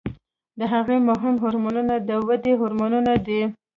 د هغې مهم هورمون د ودې هورمون دی.